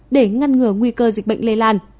để ngăn ngừa nguy cơ dịch bệnh lây lan